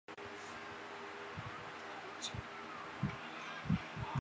于十大劲歌金曲颁奖典礼中夺得新人奖金奖。